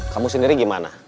kamu sendiri gimana